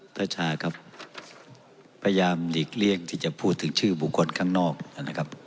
ชาครับพยายามหลีกเลี่ยงที่จะพูดถึงชื่อบุคคลข้างนอกนะครับ